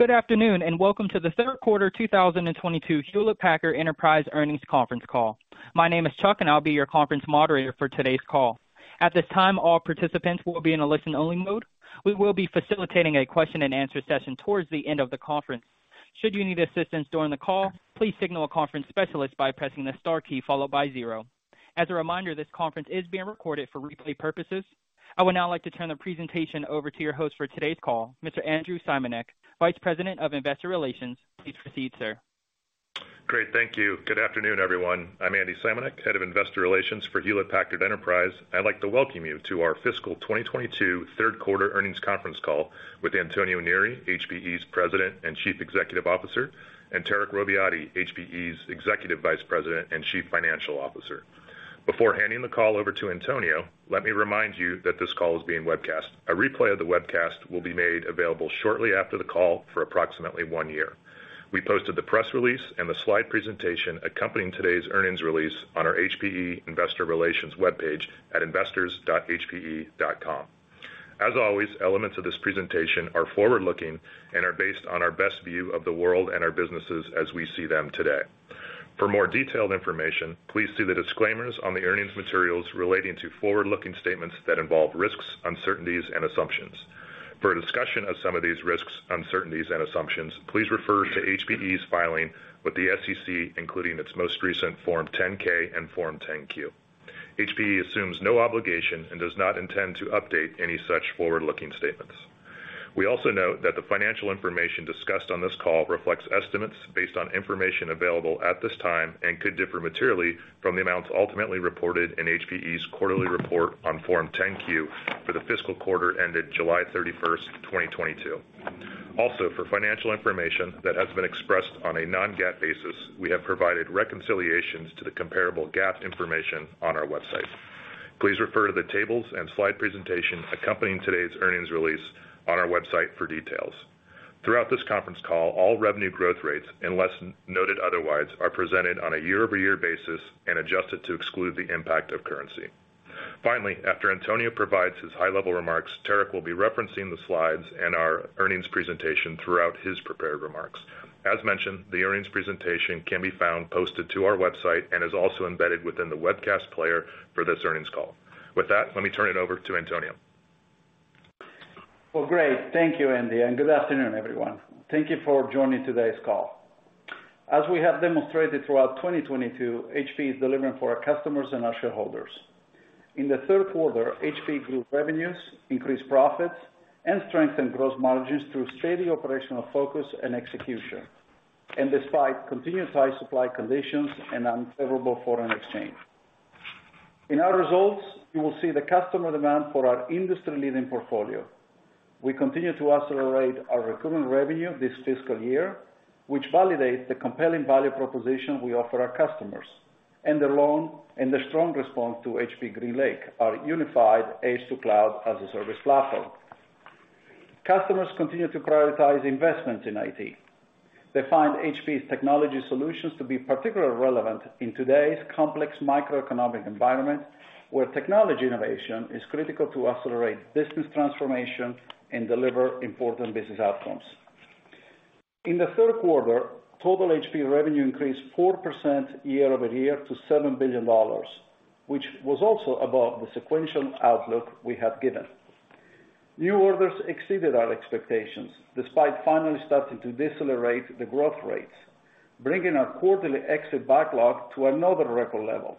Good afternoon, and welcome to the third quarter 2022 Hewlett Packard Enterprise Earnings Conference Call. My name is Chuck, and I'll be your conference moderator for today's call. At this time, all participants will be in a listen-only mode. We will be facilitating a question-and-answer session towards the end of the conference. Should you need assistance during the call, please signal a conference specialist by pressing the star key followed by zero. As a reminder, this conference is being recorded for replay purposes. I would now like to turn the presentation over to your host for today's call, Mr. Andrew Simanek, Vice President of Investor Relations. Please proceed, sir. Great. Thank you. Good afternoon, everyone. I'm Andy Simanek, Head of Investor Relations for Hewlett Packard Enterprise. I'd like to welcome you to our fiscal 2022 Third Quarter Earnings Conference Call with Antonio Neri, HPE's President and Chief Executive Officer, and Tarek Robbiati, HPE's Executive Vice President and Chief Financial Officer. Before handing the call over to Antonio, let me remind you that this call is being webcast. A replay of the webcast will be made available shortly after the call for approximately one year. We posted the press release and the slide presentation accompanying today's earnings release on our HPE investor relations webpage at investors.hpe.com. As always, elements of this presentation are forward-looking and are based on our best view of the world and our businesses as we see them today. For more detailed information, please see the disclaimers on the earnings materials relating to forward-looking statements that involve risks, uncertainties, and assumptions. For a discussion of some of these risks, uncertainties, and assumptions, please refer to HPE's filing with the SEC, including its most recent Form 10-K and Form 10-Q. HPE assumes no obligation and does not intend to update any such forward-looking statements. We also note that the financial information discussed on this call reflects estimates based on information available at this time and could differ materially from the amounts ultimately reported in HPE's quarterly report on Form 10-Q for the fiscal quarter ended July 31st, 2022. Also, for financial information that has been expressed on a non-GAAP basis, we have provided reconciliations to the comparable GAAP information on our website. Please refer to the tables and slide presentation accompanying today's earnings release on our website for details. Throughout this conference call, all revenue growth rates, unless noted otherwise, are presented on a year-over-year basis and adjusted to exclude the impact of currency. Finally, after Antonio provides his high-level remarks, Tarek will be referencing the slides and our earnings presentation throughout his prepared remarks. As mentioned, the earnings presentation can be found posted to our website and is also embedded within the webcast player for this earnings call. With that, let me turn it over to Antonio. Well, great. Thank you, Andy, and good afternoon, everyone. Thank you for joining today's call. As we have demonstrated throughout 2022, HPE is delivering for our customers and our shareholders. In the third quarter, HPE grew revenues, increased profits, and strengthened gross margins through steady operational focus and execution, and despite continuously tight supply conditions and unfavorable foreign exchange. In our results, you will see the customer demand for our industry-leading portfolio. We continue to accelerate our recurring revenue this fiscal year, which validates the compelling value proposition we offer our customers and the strong response to HPE GreenLake, our unified edge-to-cloud as-a-service platform. Customers continue to prioritize investments in IT. They find HPE's technology solutions to be particularly relevant in today's complex macroeconomic environment, where technology innovation is critical to accelerate business transformation and deliver important business outcomes. In the third quarter, total HPE revenue increased 4% year-over-year to $7 billion, which was also above the sequential outlook we had given. New orders exceeded our expectations, despite finally starting to decelerate the growth rates, bringing our quarterly exit backlog to another record level.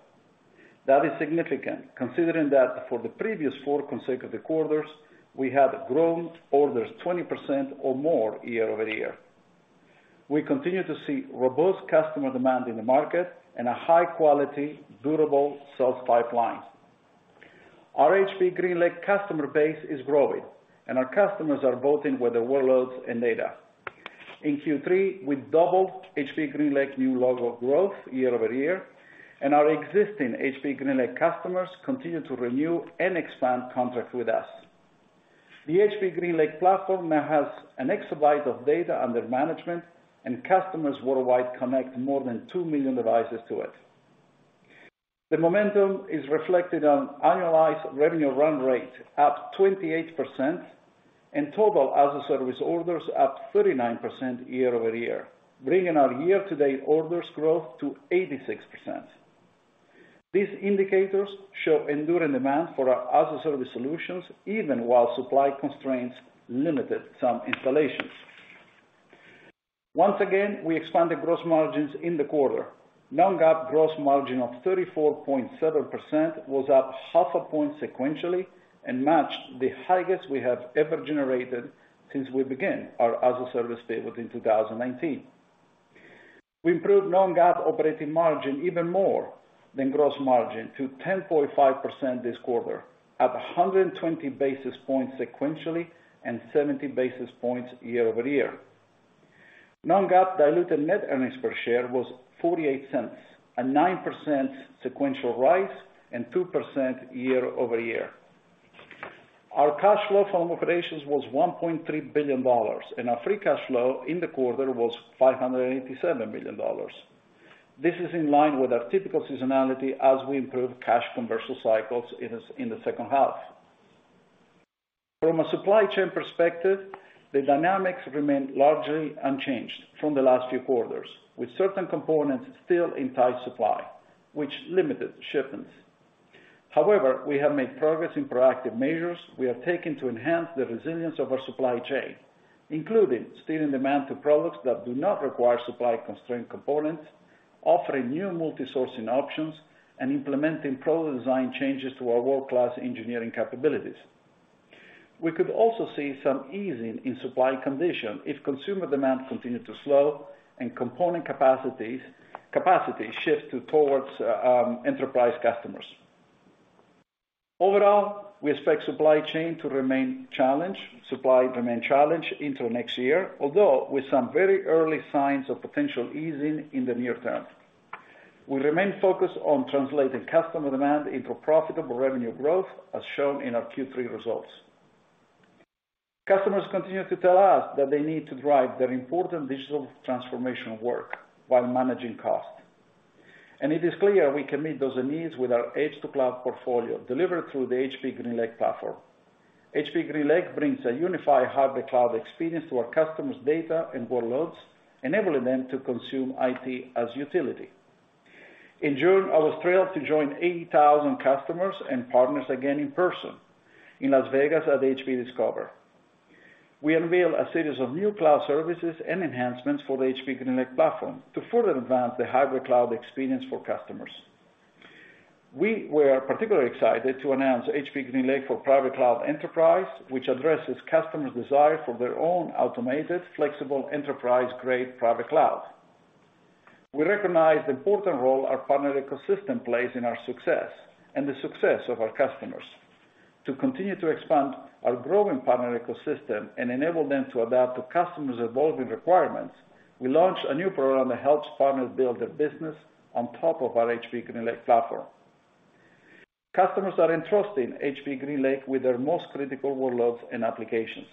That is significant, considering that for the previous four consecutive quarters, we had grown orders 20% or more year-over-year. We continue to see robust customer demand in the market and a high-quality, durable sales pipeline. Our HPE GreenLake customer base is growing, and our customers are voting with their workloads and data. In Q3, we doubled HPE GreenLake new logo growth year-over-year, and our existing HPE GreenLake customers continue to renew and expand contracts with us. The HPE GreenLake platform now has an exabyte of data under management and customers worldwide connect more than 2 million devices to it. The momentum is reflected on annualized revenue run rate, up 28% and total as-a-service orders up 39% year-over-year, bringing our year-to-date orders growth to 86%. These indicators show enduring demand for our as-a-service solutions, even while supply constraints limited some installations. Once again, we expanded gross margins in the quarter. Non-GAAP gross margin of 34.7% was up half a point sequentially and matched the highest we have ever generated since we began our as-a-service day in 2019. We improved non-GAAP operating margin even more than gross margin to 10.5% this quarter, up 120 basis points sequentially and 70 basis points year-over-year. Non-GAAP diluted net earnings per share was $0.48, a 9% sequential rise and 2% year-over-year. Our cash flow from operations was $1.3 billion, and our free cash flow in the quarter was $587 million. This is in line with our typical seasonality as we improve cash conversion cycles in the second half. From a supply chain perspective, the dynamics remain largely unchanged from the last few quarters, with certain components still in tight supply, which limited shipments. However, we have made progress in proactive measures we have taken to enhance the resilience of our supply chain, including steering demand to products that do not require supply-constrained components, offering new multi-sourcing options, and implementing product design changes to our world-class engineering capabilities. We could also see some easing in supply conditions if consumer demand continued to slow and component capacities shift toward enterprise customers. Overall, we expect supply chain to remain challenged into next year, although with some very early signs of potential easing in the near term. We remain focused on translating customer demand into profitable revenue growth, as shown in our Q3 results. Customers continue to tell us that they need to drive their important digital transformation work while managing costs. It is clear we can meet those needs with our edge-to-cloud portfolio delivered through the HPE GreenLake platform. HPE GreenLake brings a unified hybrid cloud experience to our customers' data and workloads, enabling them to consume IT as utility. In June, I was thrilled to join 80,000 customers and partners again in person in Las Vegas at HPE Discover. We unveiled a series of new cloud services and enhancements for the HPE GreenLake platform to further advance the hybrid cloud experience for customers. We were particularly excited to announce HPE GreenLake for Private Cloud Enterprise, which addresses customers' desire for their own automated, flexible, enterprise-grade private cloud. We recognize the important role our partner ecosystem plays in our success and the success of our customers. To continue to expand our growing partner ecosystem and enable them to adapt to customers' evolving requirements, we launched a new program that helps partners build their business on top of our HPE GreenLake platform. Customers are entrusting HPE GreenLake with their most critical workloads and applications.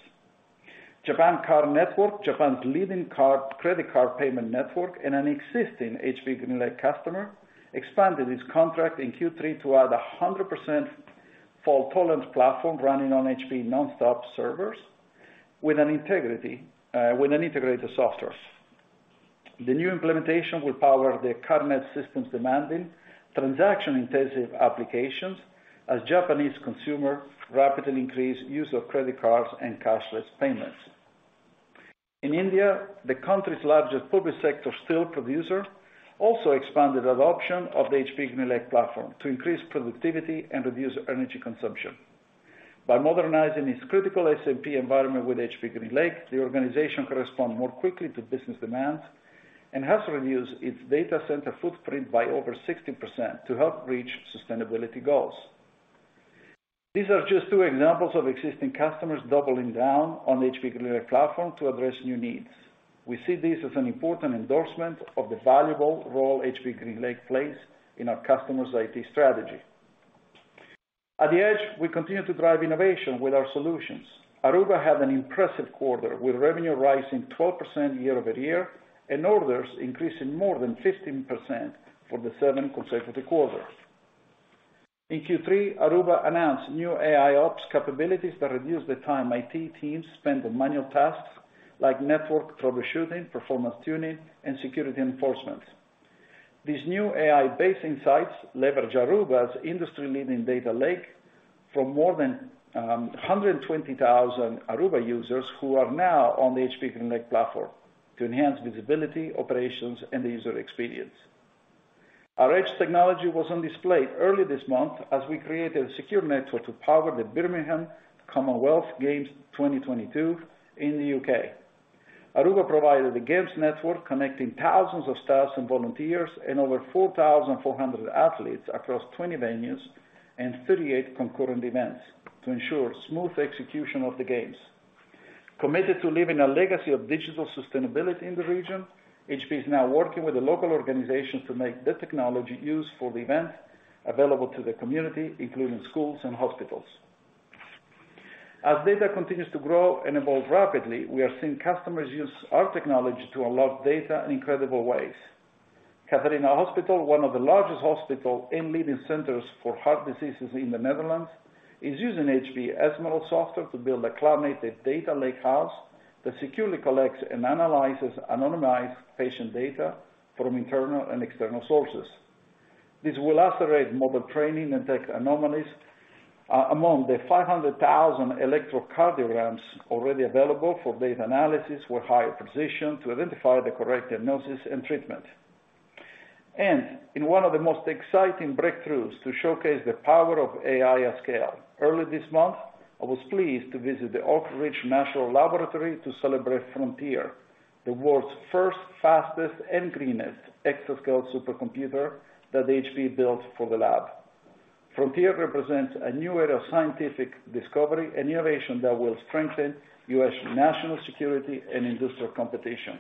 Japan Card Network, Japan's leading card, credit card payment network, and an existing HPE GreenLake customer, expanded its contract in Q3 to add a 100% fault-tolerant platform running on HPE NonStop servers with an integrated software. The new implementation will power the CARDNET system's demanding transaction-intensive applications as Japanese consumers rapidly increase use of credit cards and cashless payments. In India, the country's largest public sector steel producer also expanded adoption of the HPE GreenLake platform to increase productivity and reduce energy consumption. By modernizing its critical SMP environment with HPE GreenLake, the organization can respond more quickly to business demands and has reduced its data center footprint by over 60% to help reach sustainability goals. These are just two examples of existing customers doubling down on HPE GreenLake platform to address new needs. We see this as an important endorsement of the valuable role HPE GreenLake plays in our customers' IT strategy. At the edge, we continue to drive innovation with our solutions. Aruba had an impressive quarter, with revenue rising 12% year-over-year, and orders increasing more than 15% for the seventh consecutive quarter. In Q3, Aruba announced new AIOps capabilities that reduce the time IT teams spend on manual tasks like network troubleshooting, performance tuning, and security enforcement. These new AI-based insights leverage Aruba's industry-leading data lake from more than 120,000 Aruba users who are now on the HPE GreenLake platform to enhance visibility, operations, and the user experience. Our edge technology was on display early this month as we created a secure network to power the Birmingham Commonwealth Games 2022 in the U.K. Aruba provided the games network, connecting thousands of staff and volunteers and over 4,400 athletes across 20 venues and 38 concurrent events to ensure smooth execution of the games. Committed to leaving a legacy of digital sustainability in the region, HPE is now working with the local organization to make the technology used for the event available to the community, including schools and hospitals. As data continues to grow and evolve rapidly, we are seeing customers use our technology to unlock data in incredible ways. Catharina Hospital, one of the largest hospital and leading centers for heart diseases in the Netherlands, is using HPE Ezmeral software to build a cloud-native data lake house that securely collects and analyzes anonymized patient data from internal and external sources. This will accelerate model training and detect anomalies among the 500,000 electrocardiograms already available for data analysis with high precision to identify the correct diagnosis and treatment. In one of the most exciting breakthroughs to showcase the power of AI at scale, early this month, I was pleased to visit the Oak Ridge National Laboratory to celebrate Frontier, the world's first, fastest, and greenest exascale supercomputer that HPE built for the lab. Frontier represents a new era of scientific discovery and innovation that will strengthen U.S. national security and industrial competition.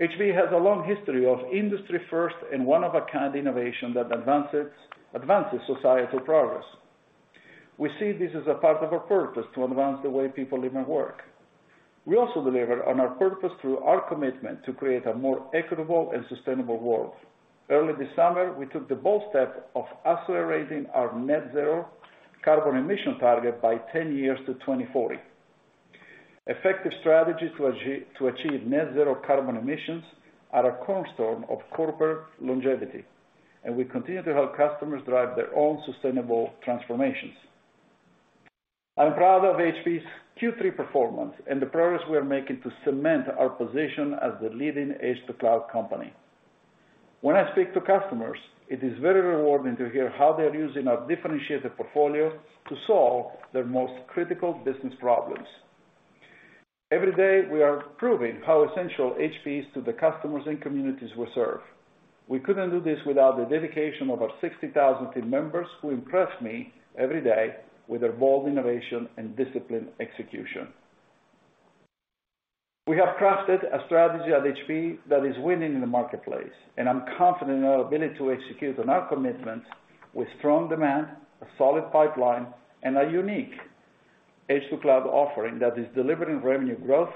HPE has a long history of industry first and one-of-a-kind innovation that advances societal progress. We see this as a part of our purpose to advance the way people live and work. We also deliver on our purpose through our commitment to create a more equitable and sustainable world. Early this summer, we took the bold step of accelerating our net zero carbon emission target by 10 years to 2040. Effective strategy to achieve net zero carbon emissions are a cornerstone of corporate longevity, and we continue to help customers drive their own sustainable transformations. I'm proud of HPE's Q3 performance and the progress we are making to cement our position as the leading edge-to-cloud company. When I speak to customers, it is very rewarding to hear how they're using our differentiated portfolio to solve their most critical business problems. Every day, we are proving how essential HPE is to the customers and communities we serve. We couldn't do this without the dedication of our 60,000 team members who impress me every day with their bold innovation and disciplined execution. We have crafted a strategy at HPE that is winning in the marketplace, and I'm confident in our ability to execute on our commitments with strong demand, a solid pipeline, and a unique edge-to-cloud offering that is delivering revenue growth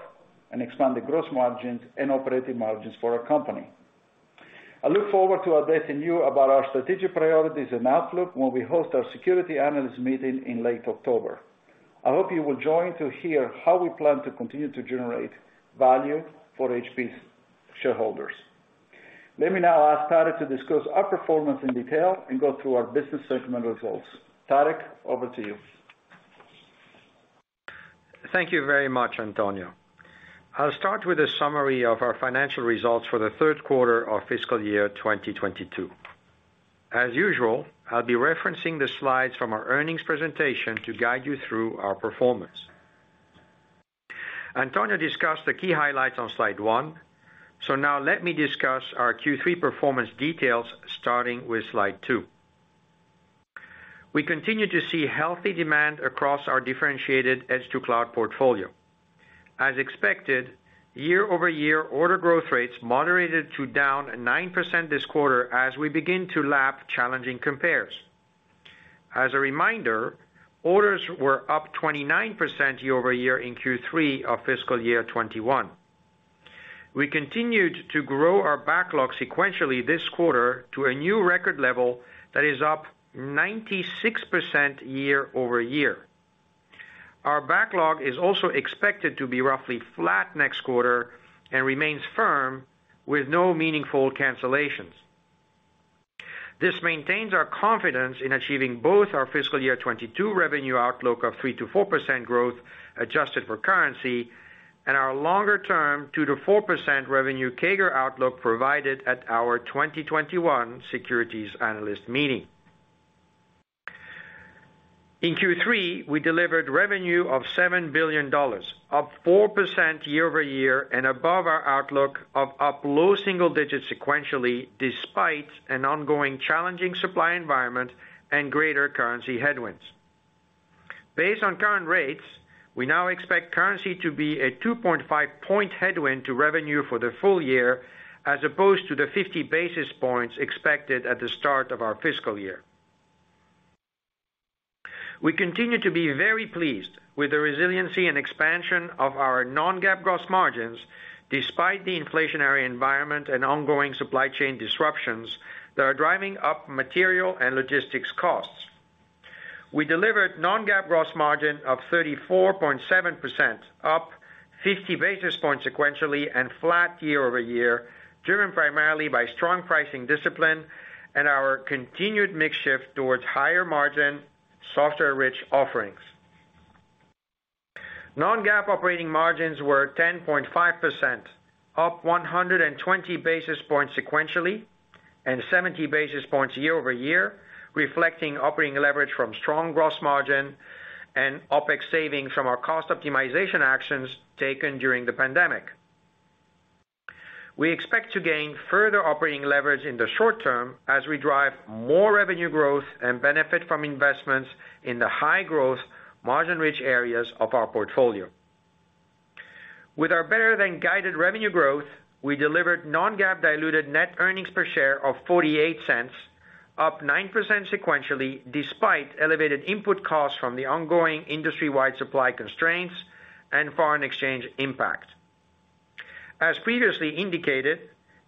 and expanded gross margins and operating margins for our company. I look forward to updating you about our strategic priorities and outlook when we host our Securities Analyst Meeting in late October. I hope you will join to hear how we plan to continue to generate value for HPE's shareholders. Let me now ask Tarek to discuss our performance in detail and go through our business segment results. Tarek, over to you. Thank you very much, Antonio. I'll start with a summary of our financial results for the third quarter of fiscal year 2022. As usual, I'll be referencing the slides from our earnings presentation to guide you through our performance. Antonio discussed the key highlights on slide one, so now let me discuss our Q3 performance details starting with slide two. We continue to see healthy demand across our differentiated edge-to-cloud portfolio. As expected, year-over-year order growth rates moderated to down 9% this quarter as we begin to lap challenging compares. As a reminder, orders were up 29% year-over-year in Q3 of fiscal year 2021. We continued to grow our backlog sequentially this quarter to a new record level that is up 96% year-over-year. Our backlog is also expected to be roughly flat next quarter and remains firm with no meaningful cancellations. This maintains our confidence in achieving both our fiscal year 2022 revenue outlook of 3%-4% growth, adjusted for currency, and our longer-term 2%-4% revenue CAGR outlook provided at our 2021 Securities Analyst Meeting. In Q3, we delivered revenue of $7 billion, up 4% year-over-year and above our outlook of up low single digits sequentially, despite an ongoing challenging supply environment and greater currency headwinds. Based on current rates, we now expect currency to be a 2.5-point headwind to revenue for the full year, as opposed to the 50 basis points expected at the start of our fiscal year. We continue to be very pleased with the resiliency and expansion of our non-GAAP gross margins, despite the inflationary environment and ongoing supply chain disruptions that are driving up material and logistics costs. We delivered non-GAAP gross margin of 34.7%, up 50 basis points sequentially and flat year-over-year, driven primarily by strong pricing discipline and our continued mix shift towards higher margin, software-rich offerings. Non-GAAP operating margins were 10.5%, up 120 basis points sequentially and 70 basis points year-over-year, reflecting operating leverage from strong gross margin and OpEx savings from our cost optimization actions taken during the pandemic. We expect to gain further operating leverage in the short term as we drive more revenue growth and benefit from investments in the high growth, margin-rich areas of our portfolio. With our better than guided revenue growth, we delivered non-GAAP diluted net earnings per share of $0.48, up 9% sequentially, despite elevated input costs from the ongoing industry-wide supply constraints and foreign exchange impact. As previously indicated,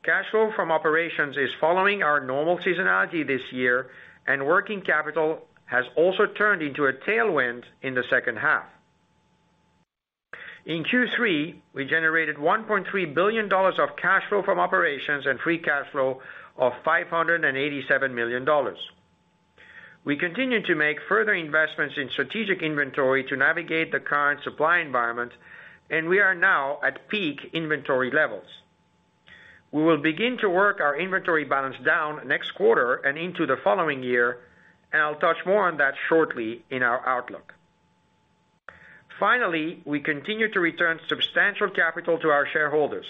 cash flow from operations is following our normal seasonality this year, and working capital has also turned into a tailwind in the second half. In Q3, we generated $1.3 billion of cash flow from operations and free cash flow of $587 million. We continue to make further investments in strategic inventory to navigate the current supply environment, and we are now at peak inventory levels. We will begin to work our inventory balance down next quarter and into the following year, and I'll touch more on that shortly in our outlook. Finally, we continue to return substantial capital to our shareholders.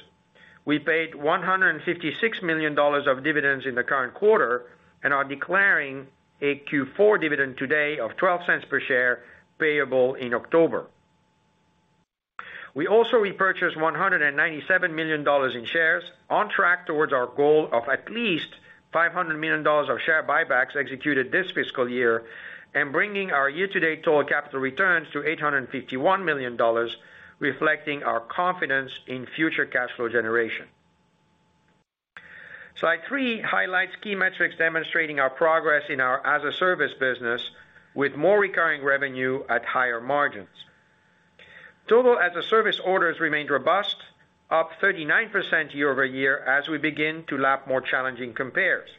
We paid $156 million of dividends in the current quarter and are declaring a Q4 dividend today of $0.12 per share, payable in October. We also repurchased $197 million in shares on track towards our goal of at least $500 million of share buybacks executed this fiscal year and bringing our year-to-date total capital returns to $851 million, reflecting our confidence in future cash flow generation. Slide three highlights key metrics demonstrating our progress in our as-a-service business with more recurring revenue at higher margins. Total as-a-service orders remained robust, up 39% year-over-year as we begin to lap more challenging compares.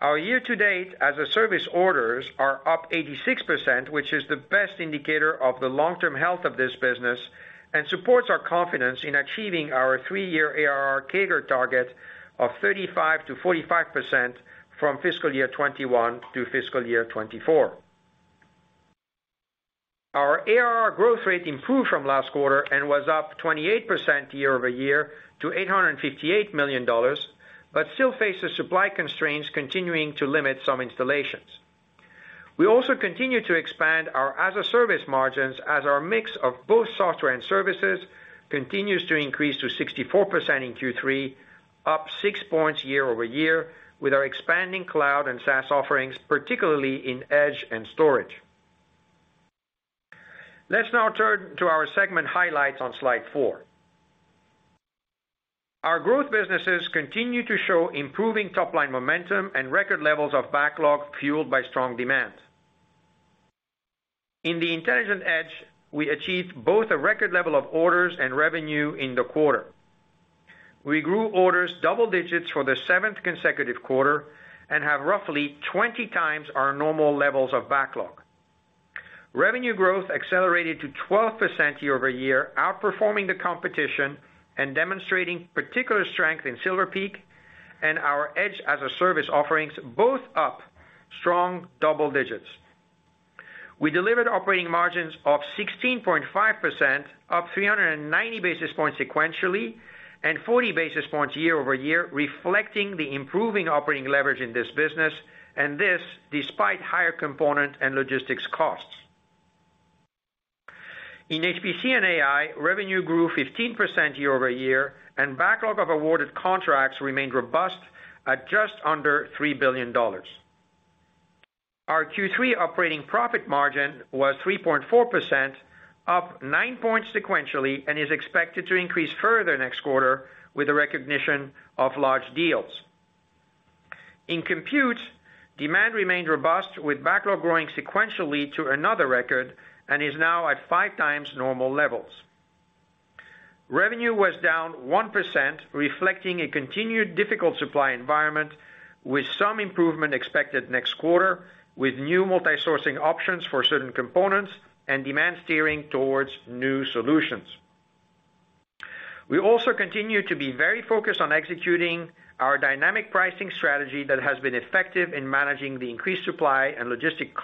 Our year-to-date as a service orders are up 86%, which is the best indicator of the long-term health of this business and supports our confidence in achieving our three-year ARR CAGR target of 35%-45% from fiscal 2021 through fiscal 2024. Our ARR growth rate improved from last quarter and was up 28% year-over-year to $858 million, but still faces supply constraints, continuing to limit some installations. We also continue to expand our as a service margins as our mix of both software and services continues to increase to 64% in Q3, up 6 points year-over-year with our expanding cloud and SaaS offerings, particularly in Edge and storage. Let's now turn to our segment highlights on slide four. Our growth businesses continue to show improving top-line momentum and record levels of backlog, fueled by strong demand. In the Intelligent Edge, we achieved both a record level of orders and revenue in the quarter. We grew orders double digits for the seventh consecutive quarter and have roughly 20x our normal levels of backlog. Revenue growth accelerated to 12% year-over-year, outperforming the competition and demonstrating particular strength in Silver Peak and our Edge as a service offerings, both up strong double digits. We delivered operating margins of 16.5%, up 390 basis points sequentially, and 40 basis points year-over-year, reflecting the improving operating leverage in this business, and this despite higher component and logistics costs. In HPC and AI, revenue grew 15% year-over-year, and backlog of awarded contracts remained robust at just under $3 billion. Our Q3 operating profit margin was 3.4%, up 9 points sequentially, and is expected to increase further next quarter with the recognition of large deals. In Compute, demand remained robust, with backlog growing sequentially to another record and is now at 5x normal levels. Revenue was down 1%, reflecting a continued difficult supply environment with some improvement expected next quarter, with new multi-sourcing options for certain components and demand steering towards new solutions. We also continue to be very focused on executing our dynamic pricing strategy that has been effective in managing the increased supply and logistic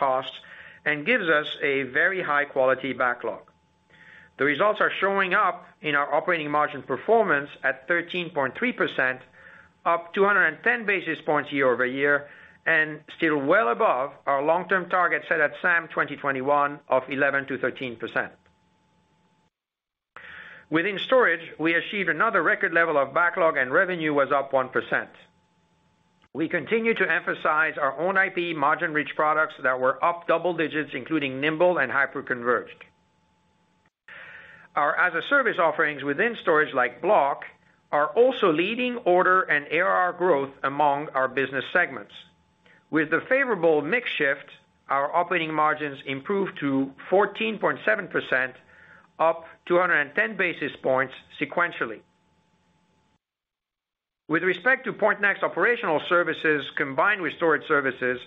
costs and gives us a very high quality backlog. The results are showing up in our operating margin performance at 13.3%, up 210 basis points year-over-year and still well above our long-term target set at SAM 2021 of 11%-13%. Within storage, we achieved another record level of backlog and revenue was up 1%. We continue to emphasize our own IP margin-rich products that were up double digits, including Nimble and hyperconverged. Our as a service offerings within storage like Block are also leading order and ARR growth among our business segments. With the favorable mix shift, our operating margins improved to 14.7%, up 210 basis points sequentially. With respect to Pointnext Operational Services combined with storage services,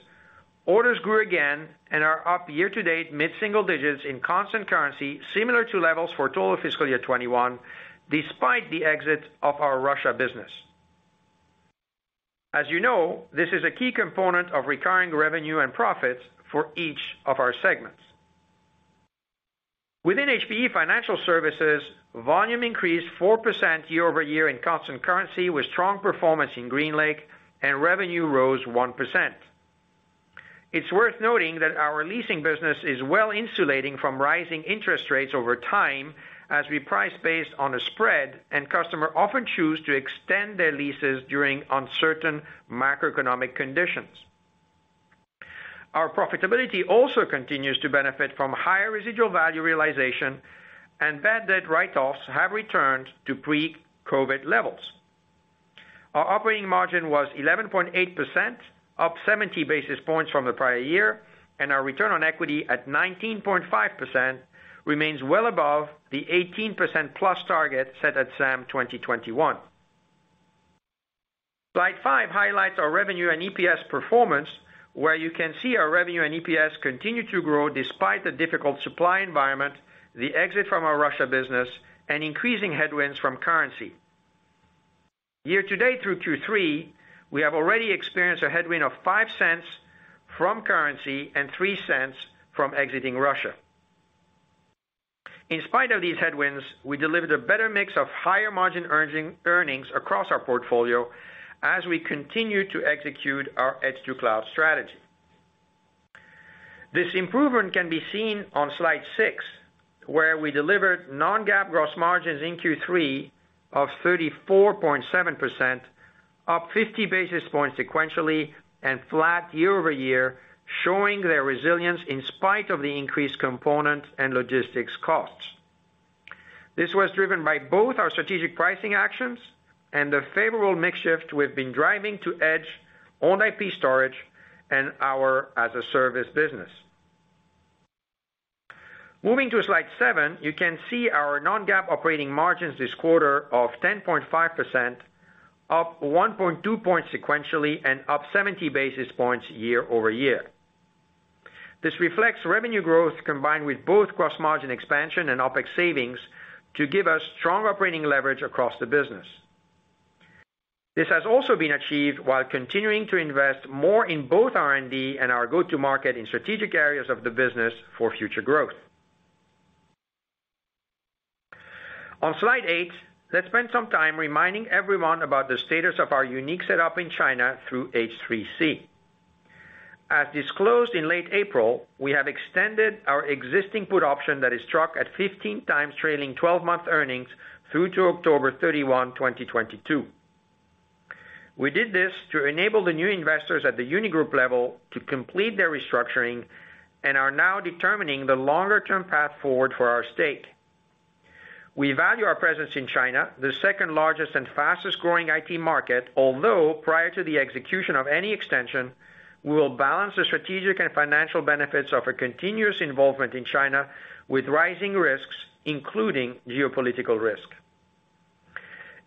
orders grew again and are up year to date, mid-single digits% in constant currency, similar to levels for total fiscal year 2021, despite the exit of our Russia business. As you know, this is a key component of recurring revenue and profits for each of our segments. Within HPE Financial Services, volume increased 4% year-over-year in constant currency with strong performance in GreenLake and revenue rose 1%. It's worth noting that our leasing business is well insulating from rising interest rates over time as we price based on a spread, and customer often choose to extend their leases during uncertain macroeconomic conditions. Our profitability also continues to benefit from higher residual value realization and bad debt write-offs have returned to pre-COVID levels. Our operating margin was 11.8%, up 70 basis points from the prior year, and our return on equity at 19.5% remains well above the 18%+ target set at SAM 2021. Slide five highlights our revenue and EPS performance, where you can see our revenue and EPS continue to grow despite the difficult supply environment, the exit from our Russia business, and increasing headwinds from currency. Year to date through Q3, we have already experienced a headwind of $0.05 from currency and $0.03 from exiting Russia. In spite of these headwinds, we delivered a better mix of higher margin earnings across our portfolio as we continue to execute our edge to cloud strategy. This improvement can be seen on slide six, where we delivered non-GAAP gross margins in Q3 of 34.7%, up 50 basis points sequentially and flat year-over-year, showing their resilience in spite of the increased component and logistics costs. This was driven by both our strategic pricing actions and the favorable mix shift we've been driving to edge on IP storage and our as-a-service business. Moving to slide seven, you can see our non-GAAP operating margins this quarter of 10.5%, up 1.2 points sequentially and up 70 basis points year-over-year. This reflects revenue growth combined with both gross margin expansion and OpEx savings to give us strong operating leverage across the business. This has also been achieved while continuing to invest more in both R&D and our go-to-market in strategic areas of the business for future growth. On slide eight, let's spend some time reminding everyone about the status of our unique setup in China through H3C. As disclosed in late April, we have extended our existing put option that is struck at 15x trailing 12th-month earnings through to October 31, 2022. We did this to enable the new investors at the Unisplendour Group level to complete their restructuring and are now determining the longer-term path forward for our stake. We value our presence in China, the second-largest and fastest-growing IT market, although prior to the execution of any extension, we will balance the strategic and financial benefits of a continuous involvement in China with rising risks, including geopolitical risk.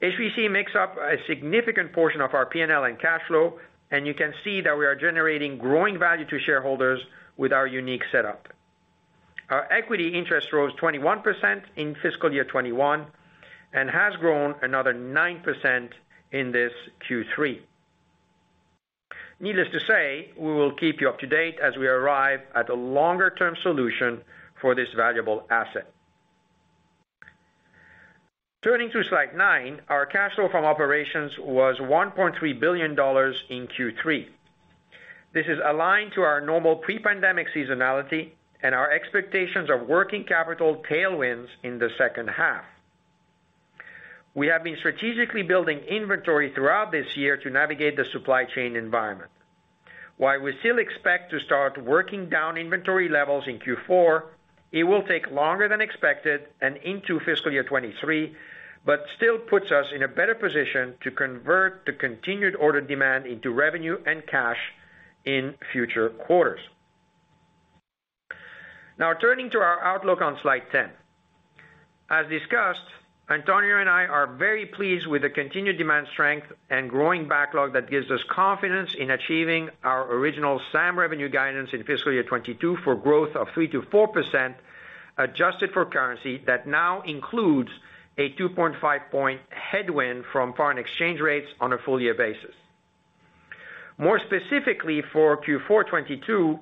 H3C makes up a significant portion of our P&L and cash flow, and you can see that we are generating growing value to shareholders with our unique setup. Our equity interest rose 21% in fiscal year 2021 and has grown another 9% in this Q3. Needless to say, we will keep you up to date as we arrive at a longer-term solution for this valuable asset. Turning to slide nine, our cash flow from operations was $1.3 billion in Q3. This is aligned to our normal pre-pandemic seasonality and our expectations of working capital tailwinds in the second half. We have been strategically building inventory throughout this year to navigate the supply chain environment. While we still expect to start working down inventory levels in Q4, it will take longer than expected and into fiscal year 2023, but still puts us in a better position to convert the continued order demand into revenue and cash in future quarters. Now turning to our outlook on slide 10. As discussed, Antonio and I are very pleased with the continued demand strength and growing backlog that gives us confidence in achieving our original SAM revenue guidance in fiscal year 2022 for growth of 3%-4%, adjusted for currency that now includes a 2.5-point headwind from foreign exchange rates on a full year basis. More specifically, for Q4 2022,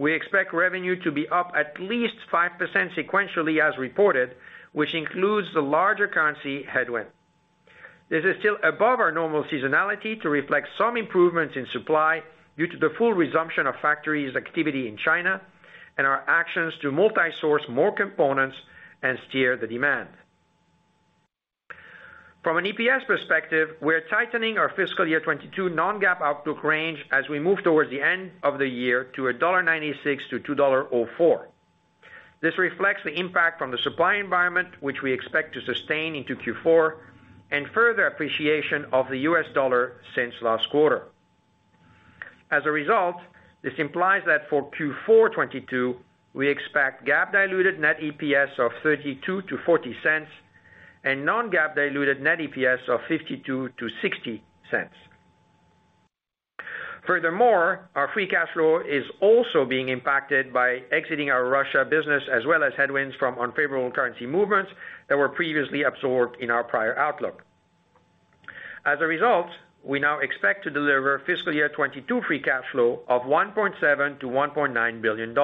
we expect revenue to be up at least 5% sequentially as reported, which includes the larger currency headwind. This is still above our normal seasonality to reflect some improvements in supply due to the full resumption of factories activity in China and our actions to multi-source more components and steer the demand. From an EPS perspective, we're tightening our fiscal year 2022 non-GAAP outlook range as we move towards the end of the year to $0.96-$2.04. This reflects the impact from the supply environment, which we expect to sustain into Q4 2022 and further appreciation of the US dollar since last quarter. As a result, this implies that for Q4 2022, we expect GAAP diluted net EPS of $0.32-$0.40 and non-GAAP diluted net EPS of $0.52-$0.60. Furthermore, our free cash flow is also being impacted by exiting our Russia business as well as headwinds from unfavorable currency movements that were previously absorbed in our prior outlook. As a result, we now expect to deliver fiscal year 2022 free cash flow of $1.7 billion-$1.9 billion.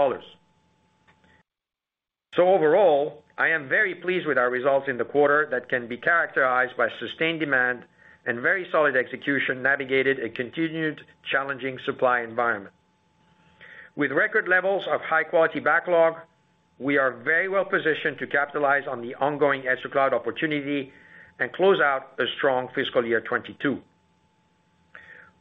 Overall, I am very pleased with our results in the quarter that can be characterized by sustained demand and very solid execution navigated a continued challenging supply environment. With record levels of high-quality backlog, we are very well positioned to capitalize on the ongoing edge of cloud opportunity and close out a strong fiscal year 2022.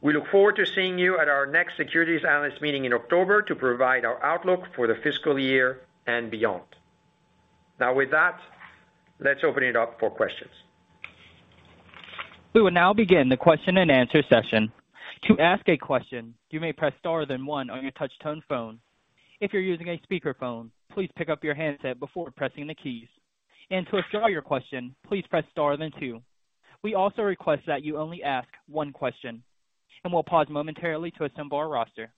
We look forward to seeing you at our next Securities Analyst Meeting in October to provide our outlook for the fiscal year and beyond. Now with that, let's open it up for questions. We will now begin the question-and-answer session. To ask a question, you may press star then one on your touch-tone phone. If you're using a speakerphone, please pick up your handset before pressing the keys. To withdraw your question, please press star then two. We also request that you only ask one question, and we'll pause momentarily to assemble our roster.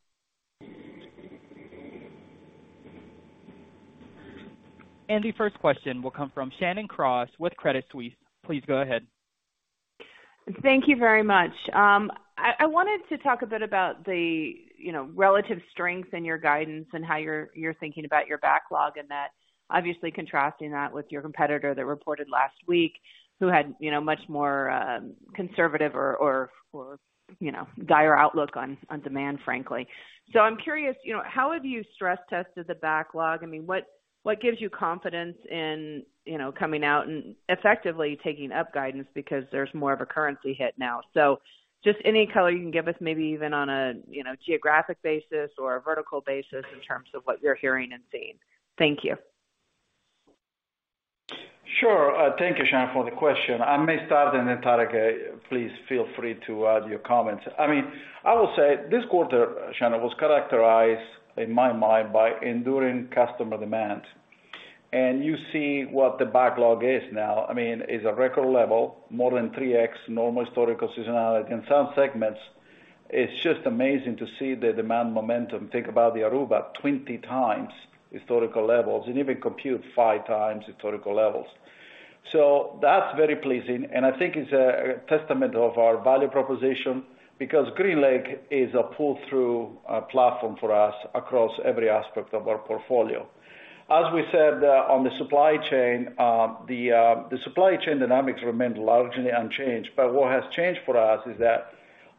The first question will come from Shannon Cross with Credit Suisse. Please go ahead. Thank you very much. I wanted to talk a bit about the, you know, relative strength in your guidance and how you're thinking about your backlog, and that obviously contrasting that with your competitor that reported last week who had, you know, much more conservative or, you know, dire outlook on demand, frankly. I'm curious, you know, how have you stress tested the backlog? I mean, what gives you confidence in, you know, coming out and effectively taking up guidance because there's more of a currency hit now? Just any color you can give us, maybe even on a, you know, geographic basis or a vertical basis in terms of what you're hearing and seeing. Thank you. Sure. Thank you, Shannon, for the question. I may start and then Tarek, please feel free to add your comments. I mean, I will say this quarter, Shannon, was characterized, in my mind, by enduring customer demand. You see what the backlog is now. I mean, it's a record level, more than 3x normal historical seasonality. In some segments, it's just amazing to see the demand momentum. Think about the Aruba, 20x historical levels, and even compute 5x historical levels. That's very pleasing, and I think it's a testament of our value proposition because GreenLake is a pull-through platform for us across every aspect of our portfolio. As we said, on the supply chain, the supply chain dynamics remained largely unchanged. What has changed for us is that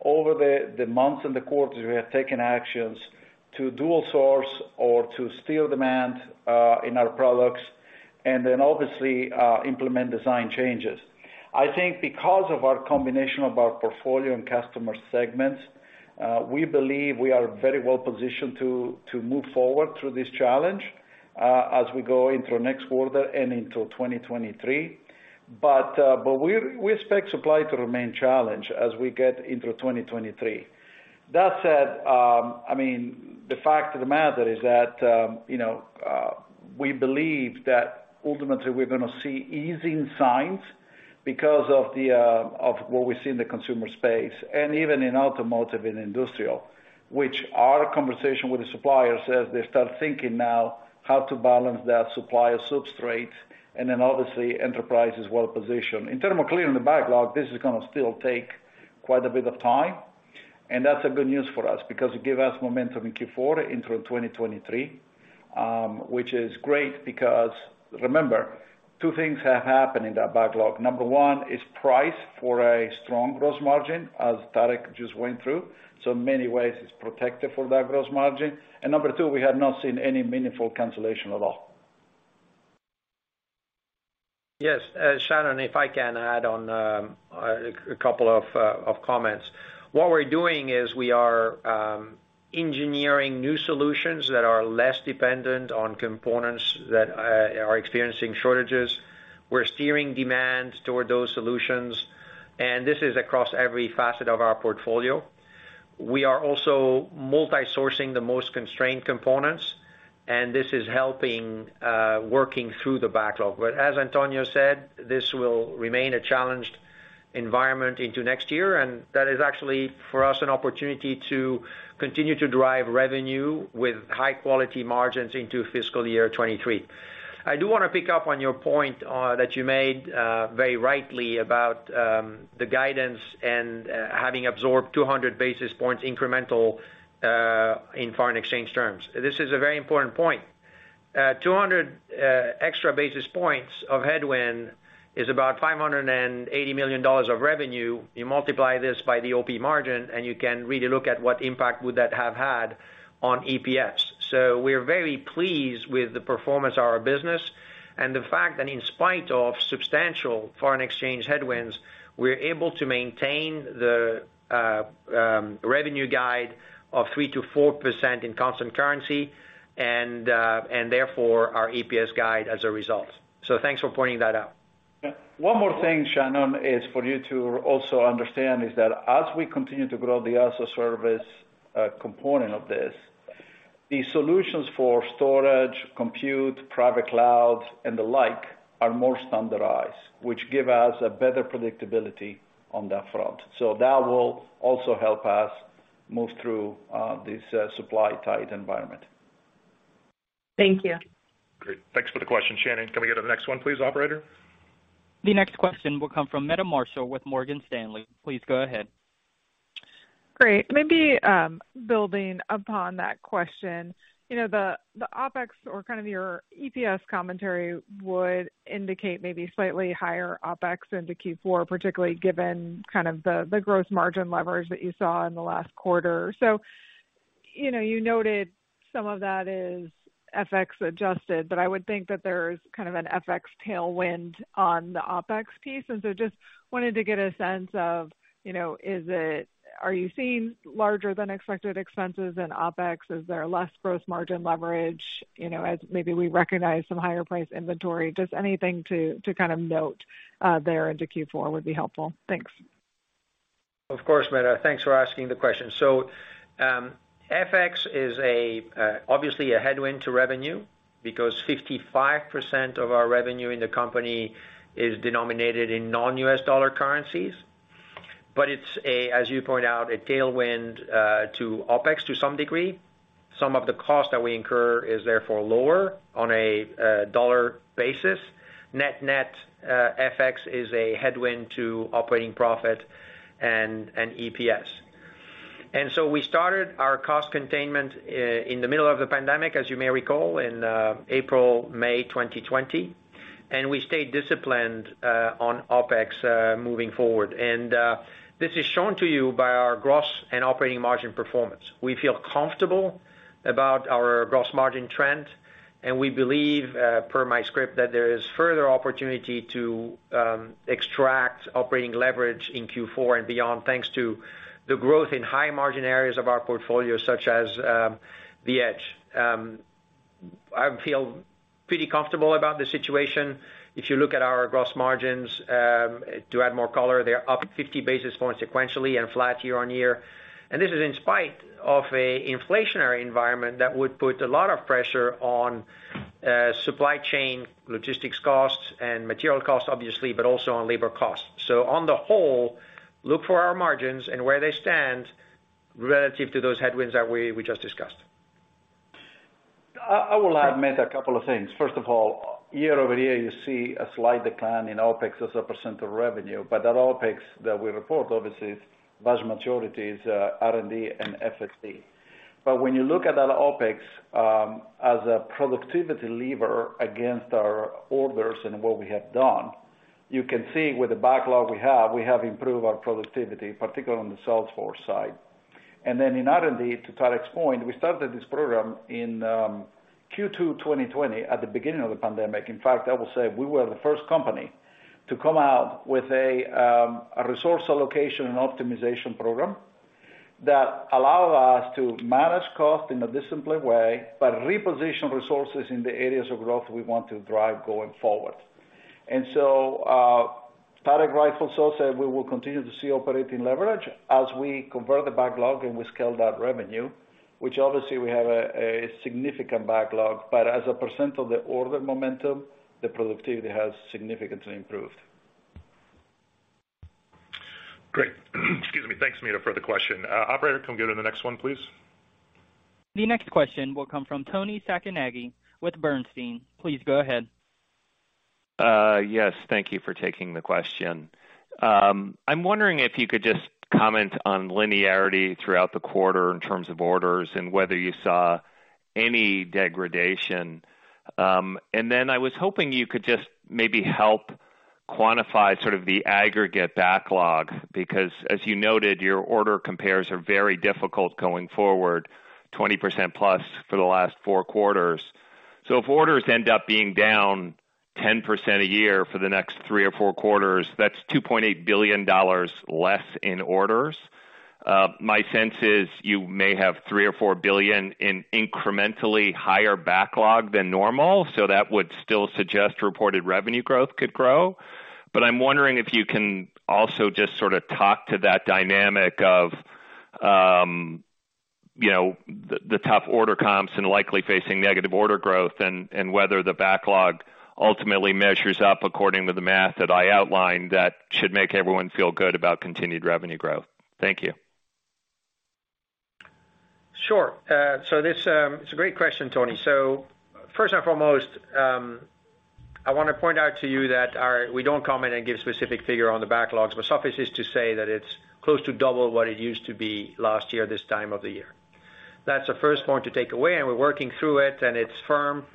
over the months and the quarters, we have taken actions to dual source or to steer demand in our products, and then obviously implement design changes. I think because of our combination of our portfolio and customer segments, we believe we are very well positioned to move forward through this challenge as we go into next quarter and into 2023. We expect supply to remain challenged as we get into 2023. That said, I mean, the fact of the matter is that, you know, we believe that ultimately we're gonna see easing signs because of the, of what we see in the consumer space and even in automotive and industrial, which our conversation with the suppliers says they start thinking now how to balance their supplier substrates and then obviously enterprise is well positioned. In terms of clearing the backlog, this is gonna still take quite a bit of time, and that's a good news for us because it give us momentum in Q4 into 2023, which is great because remember, two things have happened in that backlog. Number one is price for a strong gross margin, as Tarek just went through. In many ways it's protected for that gross margin. Number two, we have not seen any meaningful cancellation at all. Yes. Shannon, if I can add on a couple of comments. What we're doing is we are engineering new solutions that are less dependent on components that are experiencing shortages. We're steering demand toward those solutions, and this is across every facet of our portfolio. We are also multi-sourcing the most constrained components, and this is helping working through the backlog. As Antonio said, this will remain a challenged environment into next year, and that is actually for us an opportunity to continue to drive revenue with high quality margins into fiscal year 2023. I do wanna pick up on your point that you made very rightly about the guidance and having absorbed 200 basis points incremental in foreign exchange terms. This is a very important point. 200 extra basis points of headwind is about $580 million of revenue. You multiply this by the OP margin, and you can really look at what impact would that have had on EPS. We're very pleased with the performance of our business and the fact that in spite of substantial foreign exchange headwinds, we're able to maintain the revenue guide of 3%-4% in constant currency and therefore our EPS guide as a result. Thanks for pointing that out. One more thing, Shannon, is for you to also understand is that as we continue to grow the as-a-service component of this, the solutions for storage, compute, private cloud and the like are more standardized, which give us a better predictability on that front. That will also help us move through this supply-tight environment. Thank you. Great. Thanks for the question, Shannon. Can we go to the next one, please, operator? The next question will come from Meta Marshall with Morgan Stanley. Please go ahead. Great. Maybe building upon that question, you know, the OpEx or kind of your EPS commentary would indicate maybe slightly higher OpEx into Q4, particularly given kind of the gross margin leverage that you saw in the last quarter. You know, you noted some of that is FX adjusted, but I would think that there's kind of an FX tailwind on the OpEx piece. Just wanted to get a sense of, you know, is it—are you seeing larger than expected expenses in OpEx? Is there less gross margin leverage, you know, as maybe we recognize some higher price inventory? Just anything to kind of note there into Q4 would be helpful. Thanks. Of course, Meta. Thanks for asking the question. FX is obviously a headwind to revenue because 55% of our revenue in the company is denominated in non-U.S. dollar currencies. It's, as you point out, a tailwind to OpEx to some degree. Some of the cost that we incur is therefore lower on a dollar basis. Net-net, FX is a headwind to operating profit and EPS. We started our cost containment in the middle of the pandemic, as you may recall, in April, May 2020, and we stayed disciplined on OpEx moving forward. This is shown to you by our gross and operating margin performance. We feel comfortable about our gross margin trend, and we believe, per my script, that there is further opportunity to extract operating leverage in Q4 and beyond, thanks to the growth in high margin areas of our portfolio, such as the Edge. I feel pretty comfortable about the situation. If you look at our gross margins, to add more color, they're up 50 basis points sequentially and flat year-on-year. This is in spite of an inflationary environment that would put a lot of pressure on supply chain, logistics costs and material costs, obviously, but also on labor costs. On the whole, look for our margins and where they stand relative to those headwinds that we just discussed. I will add, Meta, a couple of things. First of all, year-over-year, you see a slight decline in OpEx as a % of revenue, but that OpEx that we report, obviously, vast majority is R&D and SG&A. When you look at that OpEx as a productivity lever against our orders and what we have done, you can see with the backlog we have, we have improved our productivity, particularly on the Salesforce side. In R&D, to Tarek's point, we started this program in Q2 2020 at the beginning of the pandemic. In fact, I will say we were the first company to come out with a resource allocation and optimization program that allowed us to manage cost in a disciplined way, but reposition resources in the areas of growth we want to drive going forward. Tarek rightfully so said we will continue to see operating leverage as we convert the backlog and we scale that revenue, which obviously we have a significant backlog. As a percent of the order momentum, the productivity has significantly improved. Great. Excuse me. Thanks, Meta, for the question. Operator, can we go to the next one, please? The next question will come from Toni Sacconaghi with Bernstein. Please go ahead. Yes, thank you for taking the question. I'm wondering if you could just comment on linearity throughout the quarter in terms of orders and whether you saw any degradation. I was hoping you could just maybe help quantify sort of the aggregate backlog, because as you noted, your order compares are very difficult going forward, 20% plus for the last four quarters. If orders end up being down 10% a year for the next three or four quarters, that's $2.8 billion less in orders. My sense is you may have $3 billion or $4 billion in incrementally higher backlog than normal, so that would still suggest reported revenue growth could grow. I'm wondering if you can also just sorta talk to that dynamic of, you know, the tough order comps and likely facing negative order growth, and whether the backlog ultimately measures up according to the math that I outlined that should make everyone feel good about continued revenue growth. Thank you. Sure. It's a great question, Toni. First and foremost, I wanna point out to you that we don't comment and give specific figure on the backlogs. Suffice it to say that it's close to double what it used to be last year, this time of the year. That's the first point to take away, and we're working through it and it's firm.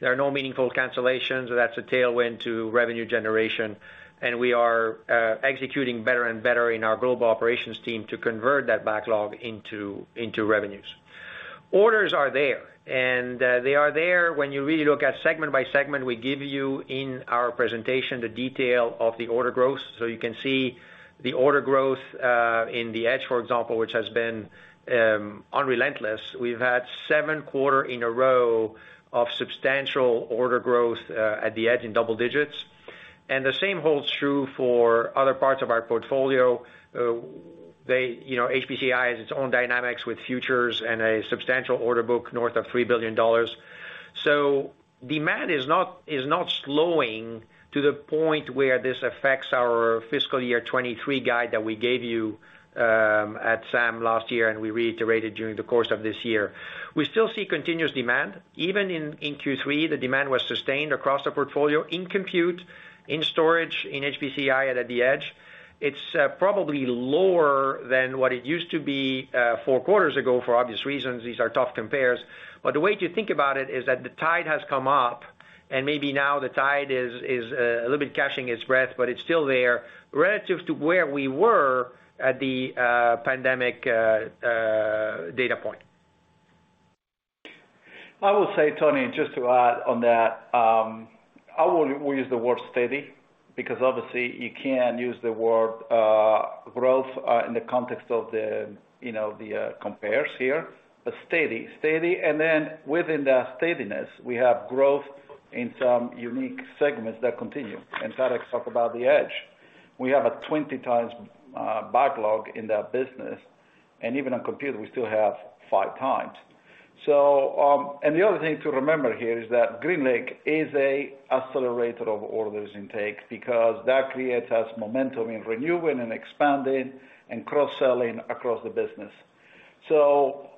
There are no meaningful cancellations, so that's a tailwind to revenue generation. We are executing better and better in our global operations team to convert that backlog into revenues. Orders are there, and they are there when you really look at segment by segment, we give you in our presentation the detail of the order growth. You can see the order growth in the Edge, for example, which has been unrelenting. We've had seven quarters in a row of substantial order growth at the Edge in double digits. The same holds true for other parts of our portfolio. You know, HPC & AI has its own dynamics with futures and a substantial order book north of $3 billion. Demand is not slowing to the point where this affects our fiscal year 2023 guide that we gave you at SAM last year, and we reiterated during the course of this year. We still see continuous demand. Even in Q3, the demand was sustained across the portfolio in compute, in storage, in HPC & AI, and at the Edge. It's probably lower than what it used to be four quarters ago for obvious reasons. These are tough compares. The way to think about it is that the tide has come up and maybe now the tide is a little bit catching its breath, but it's still there relative to where we were at the pandemic data point. I will say, Toni, just to add on that, we use the word steady because obviously you can't use the word growth in the context of the, you know, the comps here. But steady. Steady, and then within that steadiness, we have growth in some unique segments that continue. Tarek talked about the Edge. We have a 20x backlog in that business, and even on compute we still have 5x. The other thing to remember here is that GreenLake is a accelerator of orders intake because that creates us momentum in renewing and expanding and cross-selling across the business.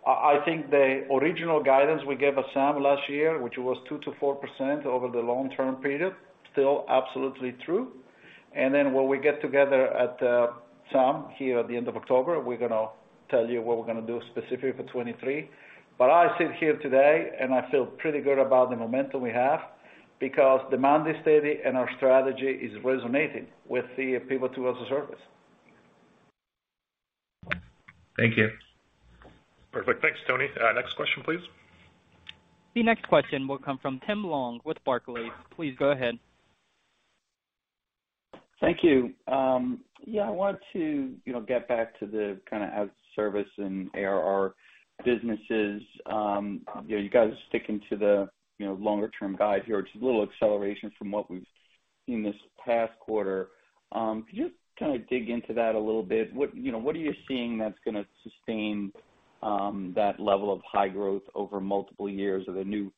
I think the original guidance we gave at SAM last year, which was 2%-4% over the long-term period, still absolutely true. Then when we get together at SAM here at the end of October, we're gonna tell you what we're gonna do specifically for 2023. I sit here today, and I feel pretty good about the momentum we have because demand is steady and our strategy is resonating with the people toward the service. Thank you. Perfect. Thanks, Tony. Next question, please. The next question will come from Tim Long with Barclays. Please go ahead. Thank you. Yeah, I want to, you know, get back to the kind of as a service and ARR businesses. You know, you guys are sticking to the, you know, longer term guide here, just a little acceleration from what we've seen this past quarter. Could you just kinda dig into that a little bit? What, you know, what are you seeing that's gonna sustain that level of high growth over multiple years? Are there new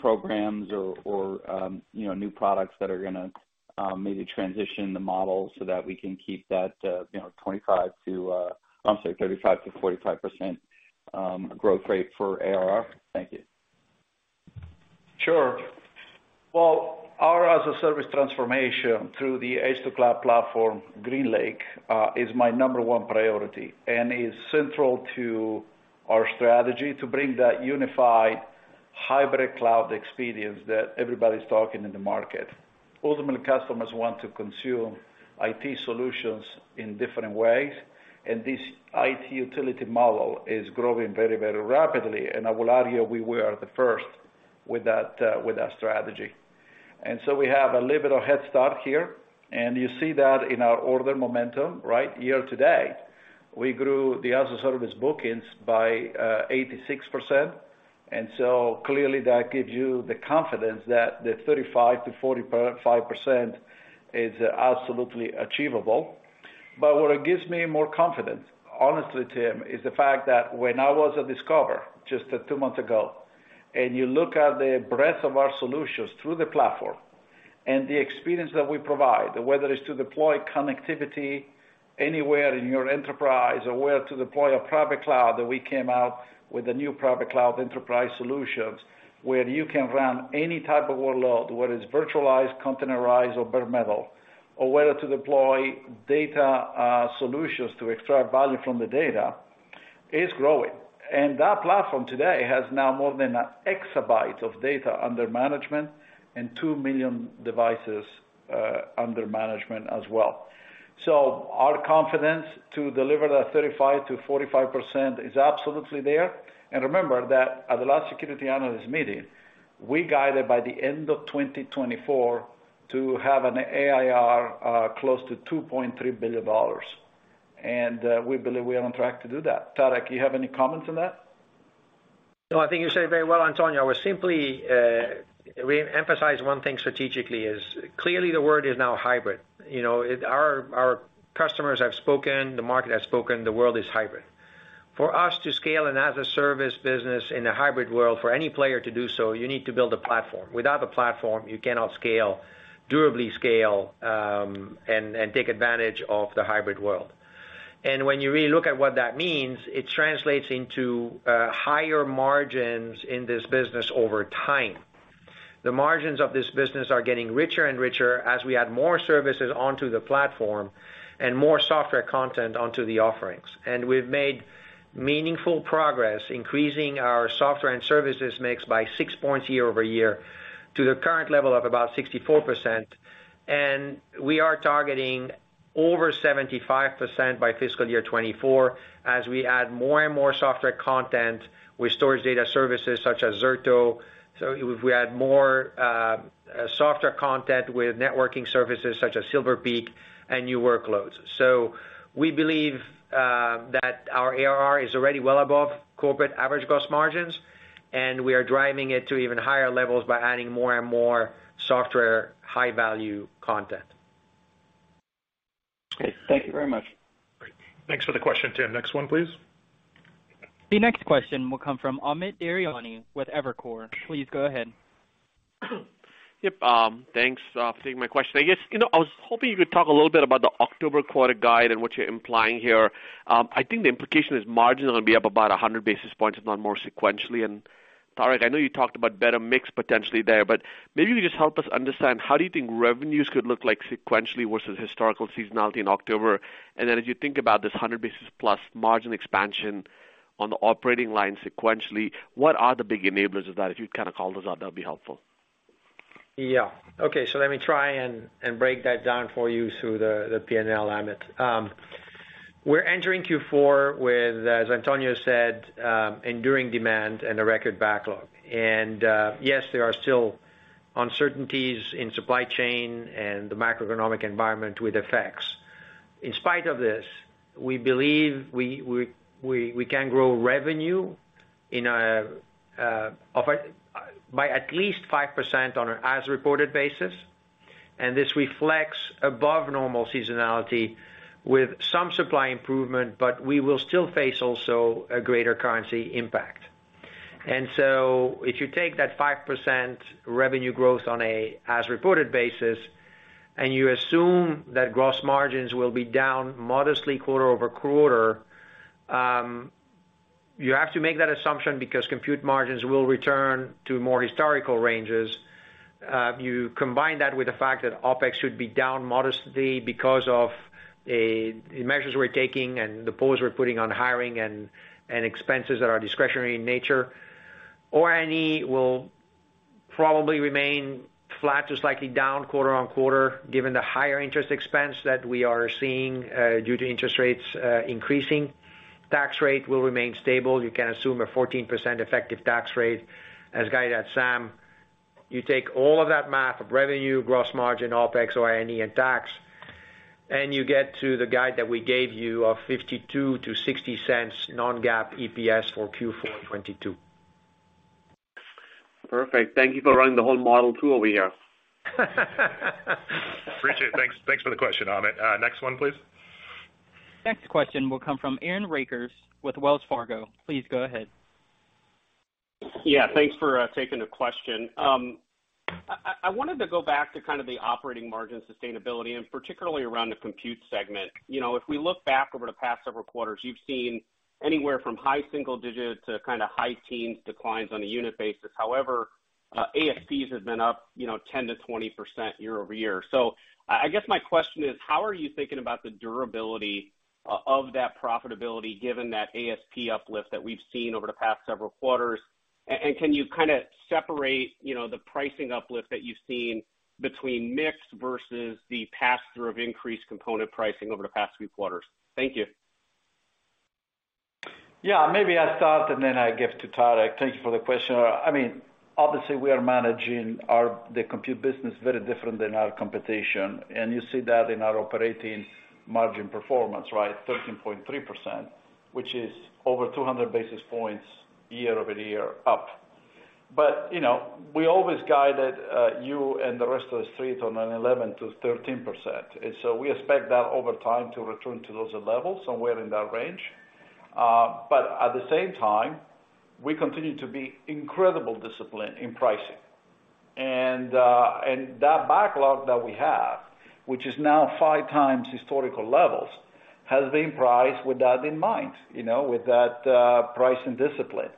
programs or, you know, new products that are gonna maybe transition the model so that we can keep that, you know, 35%-45% growth rate for ARR? Thank you. Sure. Well, our as-a-service transformation through the Edge to Cloud platform, GreenLake, is my number one priority and is central to our strategy to bring that unified hybrid cloud experience that everybody's talking in the market. Ultimately, customers want to consume IT solutions in different ways, and this IT utility model is growing very, very rapidly. I will add here, we were the first with that, with that strategy. We have a little head start here, and you see that in our order momentum, right? Year to date, we grew the as-a-service bookings by, 86%. Clearly that gives you the confidence that the 35%-45% is absolutely achievable. What gives me more confidence, honestly, Tim, is the fact that when I was at Discover just two months ago, and you look at the breadth of our solutions through the platform and the experience that we provide, whether it's to deploy connectivity anywhere in your enterprise or where to deploy a private cloud, that we came out with a new private cloud enterprise solutions, where you can run any type of workload, whether it's virtualized, containerized or bare metal, or whether to deploy data solutions to extract value from the data, is growing. That platform today has now more than an exabyte of data under management and 2 million devices under management as well. Our confidence to deliver that 35%-45% is absolutely there. Remember that at the last Securities Analyst Meeting, we guided by the end of 2024 to have an ARR close to $2.3 billion. We believe we are on track to do that. Tarek, you have any comments on that? No, I think you said it very well, Antonio. We simply, we emphasize one thing strategically is clearly the word is now hybrid. You know, our customers have spoken, the market has spoken, the world is hybrid. For us to scale an as-a-service business in a hybrid world, for any player to do so, you need to build a platform. Without the platform, you cannot scale, durably scale, and take advantage of the hybrid world. When you really look at what that means, it translates into higher margins in this business over time. The margins of this business are getting richer and richer as we add more services onto the platform and more software content onto the offerings. We've made meaningful progress increasing our software and services mix by 6 points year-over-year to the current level of about 64%. We are targeting over 75% by fiscal year 2024 as we add more and more software content with storage data services such as Zerto. We add more software content with networking services such as Silver Peak and new workloads. We believe that our ARR is already well above corporate average gross margins, and we are driving it to even higher levels by adding more and more software high-value content. Okay. Thank you very much. Great. Thanks for the question, Tim. Next one, please. The next question will come from Amit Daryanani with Evercore. Please go ahead. Yep, thanks, for taking my question. I guess, you know, I was hoping you could talk a little bit about the October quarter guide and what you're implying here. I think the implication is margin will be up about 100 basis points, if not more sequentially. Tarek, I know you talked about better mix potentially there, but maybe you just help us understand how do you think revenues could look like sequentially versus historical seasonality in October? As you think about this 100 basis points plus margin expansion on the operating line sequentially, what are the big enablers of that? If you'd kind of call those out, that'd be helpful. Yeah. Okay. Let me try and break that down for you through the P&L, Amit. We're entering Q4 with, as Antonio said, enduring demand and a record backlog. Yes, there are still uncertainties in supply chain and the macroeconomic environment with effects. In spite of this, we believe we can grow revenue by at least 5% on an as-reported basis, and this reflects above normal seasonality with some supply improvement, but we will still face also a greater currency impact. If you take that 5% revenue growth on an as-reported basis, and you assume that gross margins will be down modestly quarter-over-quarter, you have to make that assumption because compute margins will return to more historical ranges. You combine that with the fact that OpEx should be down modestly because of the measures we're taking and the pause we're putting on hiring and expenses that are discretionary in nature. OI&E will probably remain flat to slightly down quarter-over-quarter given the higher interest expense that we are seeing due to interest rates increasing. Tax rate will remain stable. You can assume a 14% effective tax rate as guided at SAM. You take all of that math of revenue, gross margin, OpEx, OI&E, and tax, and you get to the guide that we gave you of $0.52-$0.60 non-GAAP EPS for Q4 2022. Perfect. Thank you for running the whole model too over here. Appreciate it. Thanks, thanks for the question, Amit. Next one please. Next question will come from Aaron Rakers with Wells Fargo. Please go ahead. Yeah, thanks for taking the question. I wanted to go back to kind of the operating margin sustainability and particularly around the compute segment. You know, if we look back over the past several quarters, you've seen anywhere from high single digits to high teens declines on a unit basis. However, ASPs have been up, you know, 10%-20% year-over-year. So I guess my question is, how are you thinking about the durability of that profitability given that ASP uplift that we've seen over the past several quarters? And can you kind of separate, you know, the pricing uplift that you've seen between mix versus the pass-through of increased component pricing over the past few quarters? Thank you. Yeah, maybe I'll start and then I give to Tarek. Thank you for the question. I mean, obviously we are managing the compute business very different than our competition, and you see that in our operating margin performance, right? 13.3%, which is over 200 basis points year-over-year up. You know, we always guided you and the rest of the Street on 11%-13%. We expect that over time to return to those levels, somewhere in that range. At the same time, we continue to be incredibly disciplined in pricing. That backlog that we have, which is now 5x historical levels, has been priced with that in mind, you know, with that pricing discipline.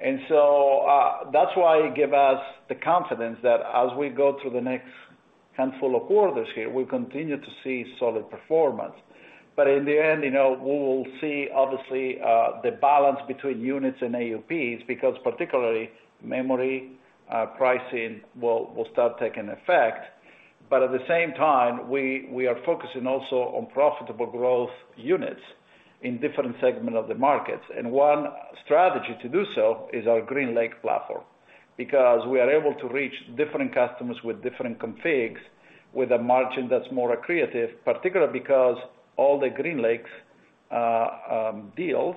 That's why it give us the confidence that as we go through the next handful of quarters here, we'll continue to see solid performance. In the end, you know, we will see obviously the balance between units and AUPs because particularly memory pricing will start taking effect. At the same time, we are focusing also on profitable growth units in different segment of the markets. One strategy to do so is our GreenLake platform, because we are able to reach different customers with different configs with a margin that's more accretive, particularly because all the GreenLake's deals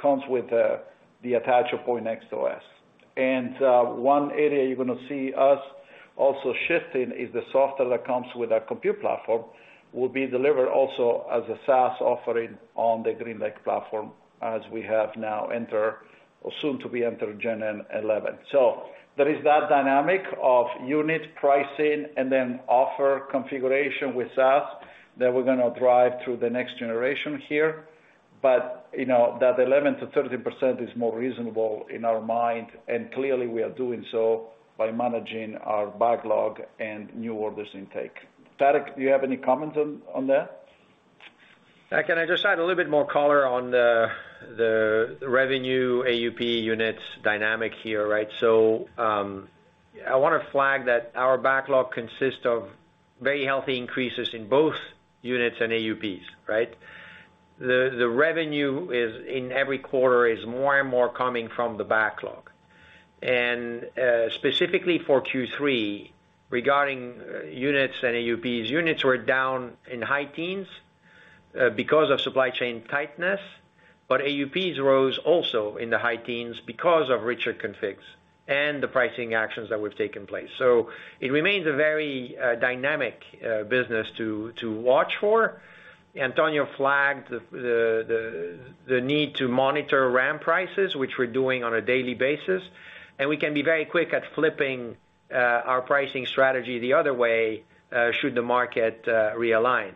comes with the attachment Pointnext to us. One area you're gonna see us also shifting is the software that comes with our compute platform will be delivered also as a SaaS offering on the GreenLake platform as we have now entered, or soon to be entering Gen11. So there is that dynamic of unit pricing and then offer configuration with SaaS that we're gonna drive through the next generation here. You know, that 11%-13% is more reasonable in our mind, and clearly we are doing so by managing our backlog and new orders intake. Tarek, do you have any comments on that? Yeah, can I just add a little bit more color on the revenue AUP units dynamic here, right? So, I wanna flag that our backlog consists of very healthy increases in both units and AUPs, right? The revenue is, in every quarter, more and more coming from the backlog. Specifically for Q3, regarding units and AUPs, units were down in high teens because of supply chain tightness, but AUPs rose also in the high teens because of richer configs and the pricing actions that we've taken place. So it remains a very dynamic business to watch for. Antonio flagged the need to monitor RAM prices, which we're doing on a daily basis. We can be very quick at flipping our pricing strategy the other way should the market realign.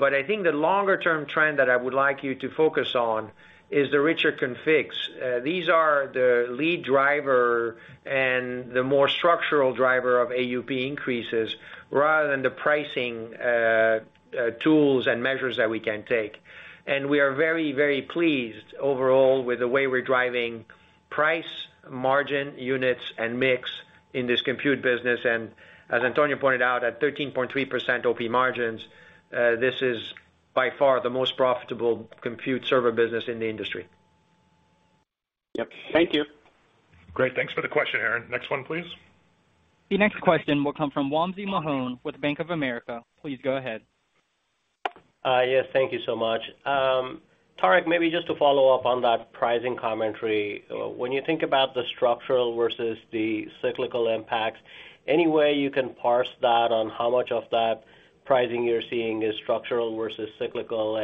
I think the longer-term trend that I would like you to focus on is the richer configs. These are the lead driver and the more structural driver of AUP increases rather than the pricing, tools and measures that we can take. We are very, very pleased overall with the way we're driving price, margin, units, and mix in this compute business. As Antonio pointed out, at 13.3% OP margins, this is by far the most profitable compute server business in the industry. Yep. Thank you. Great. Thanks for the question, Aaron. Next one, please. The next question will come from Wamsi Mohan with Bank of America. Please go ahead. Yes, thank you so much. Tarek, maybe just to follow up on that pricing commentary. When you think about the structural versus the cyclical impacts, any way you can parse that on how much of that pricing you're seeing is structural versus cyclical?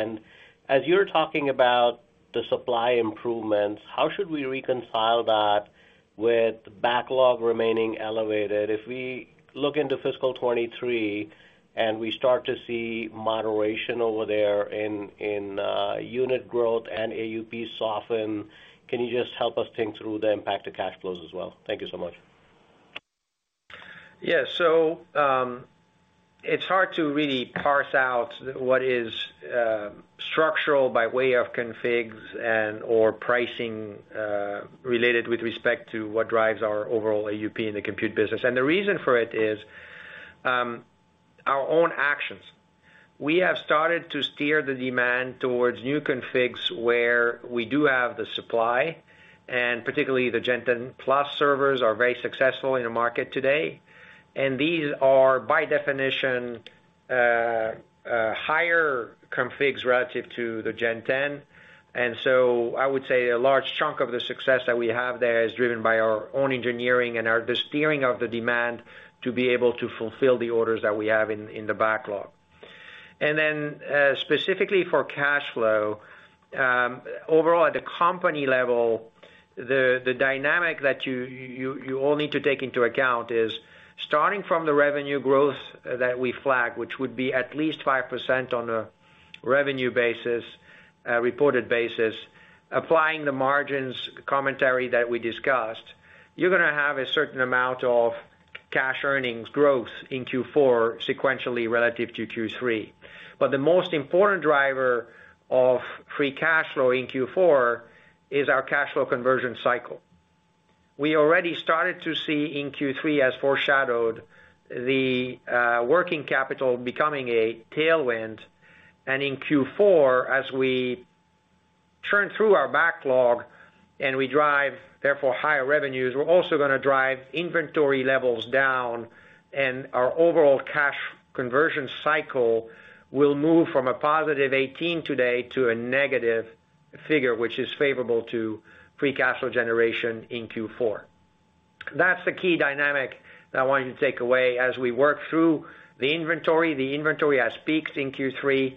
As you're talking about... The supply improvements, how should we reconcile that with backlog remaining elevated? If we look into fiscal 2023 and we start to see moderation over there in unit growth and AUP soften, can you just help us think through the impact of cash flows as well? Thank you so much. Yeah. It's hard to really parse out what is structural by way of configs and/or pricing related with respect to what drives our overall AUP in the compute business. The reason for it is our own actions. We have started to steer the demand towards new configs where we do have the supply, and particularly the Gen 10+ servers are very successful in the market today. These are, by definition, higher configs relative to the Gen 10. I would say a large chunk of the success that we have there is driven by our own engineering and the steering of the demand to be able to fulfill the orders that we have in the backlog. Specifically for cash flow, overall at the company level, the dynamic that you all need to take into account is starting from the revenue growth that we flagged, which would be at least 5% on a revenue basis, reported basis, applying the margins commentary that we discussed. You're gonna have a certain amount of cash earnings growth in Q4 sequentially relative to Q3. The most important driver of free cash flow in Q4 is our cash flow conversion cycle. We already started to see in Q3, as foreshadowed, the working capital becoming a tailwind. In Q4, as we turn through our backlog and we drive, therefore, higher revenues, we're also gonna drive inventory levels down, and our overall cash conversion cycle will move from a positive 18 today to a negative figure, which is favorable to free cash flow generation in Q4. That's the key dynamic that I want you to take away. As we work through the inventory, the inventory has peaked in Q3.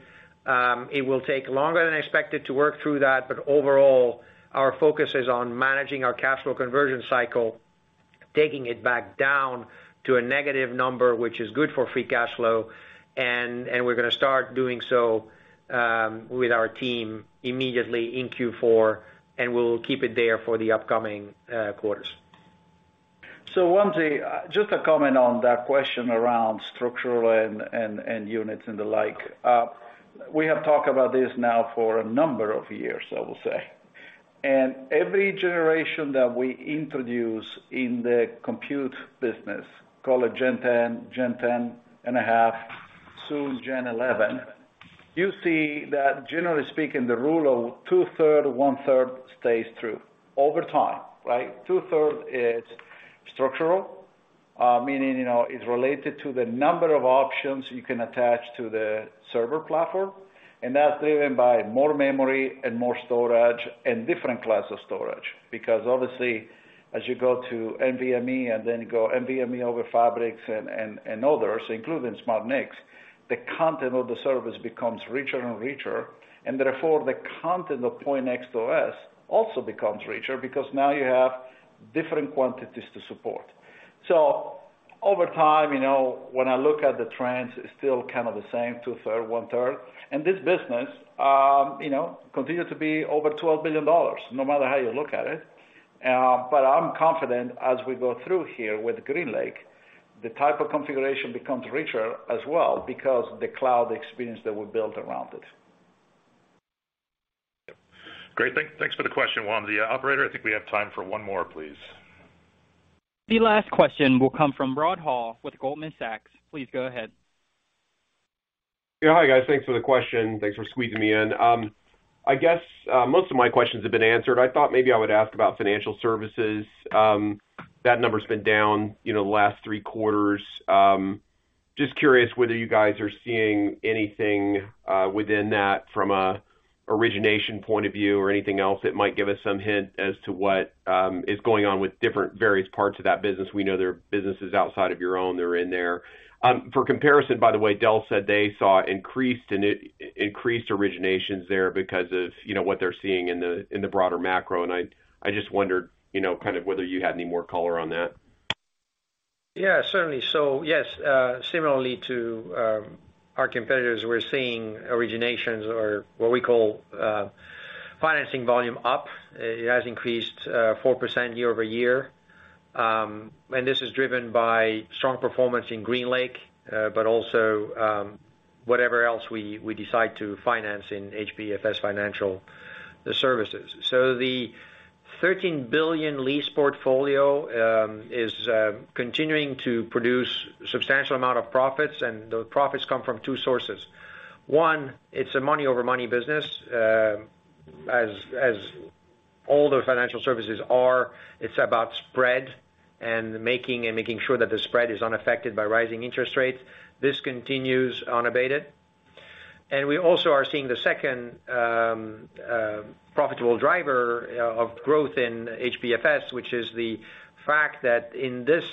It will take longer than expected to work through that, but overall, our focus is on managing our cash flow conversion cycle, taking it back down to a negative number, which is good for free cash flow. We're gonna start doing so with our team immediately in Q4, and we'll keep it there for the upcoming quarters. Wamsi, just a comment on that question around structural and attach units and the like. We have talked about this now for a number of years, I will say. Every generation that we introduce in the compute business, call it Gen 10, Gen 10 and a half, soon Gen 11, you see that generally speaking, the rule of 2/3, 1/3 stays true over time, right? Two-thirds is structural, meaning, you know, it's related to the number of options you can attach to the server platform, and that's driven by more memory and more storage and different classes of storage. Because obviously, as you go to NVMe, and then you go NVMe over fabrics and others, including SmartNICs, the content of the server becomes richer and richer. Therefore, the content of Pointnext OS also becomes richer because now you have different quantities to support. Over time, you know, when I look at the trends, it's still kind of the same, 2/3, 1/3. This business, you know, continue to be over $12 billion, no matter how you look at it. I'm confident as we go through here with GreenLake, the type of configuration becomes richer as well because the cloud experience that we built around it. Great. Thanks for the question, Wamsi. Operator, I think we have time for one more, please. The last question will come from Rod Hall with Goldman Sachs. Please go ahead. Yeah. Hi, guys. Thanks for the question. Thanks for squeezing me in. I guess most of my questions have been answered. I thought maybe I would ask about financial services. That number's been down, you know, the last three quarters. Just curious whether you guys are seeing anything within that from a origination point of view or anything else that might give us some hint as to what is going on with different various parts of that business. We know there are businesses outside of your own that are in there. For comparison, by the way, Dell said they saw increased originations there because of, you know, what they're seeing in the broader macro. I just wondered, you know, kind of whether you had any more color on that. Yeah, certainly. Yes, similarly to our competitors, we're seeing originations or what we call financing volume up. It has increased 4% year-over-year. This is driven by strong performance in GreenLake, but also whatever else we decide to finance in HPFS Financial Services. The $13 billion lease portfolio is continuing to produce substantial amount of profits, and the profits come from two sources. One, it's a money-over-money business, as all the financial services are, it's about spread and making sure that the spread is unaffected by rising interest rates. This continues unabated. We also are seeing the second profitable driver of growth in HPFS, which is the fact that in this